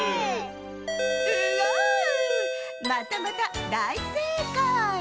またまただいせいかい！